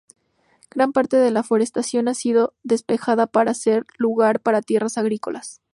Gran parte de la forestación ha sido despejada para hacer lugar para tierras agrícolas.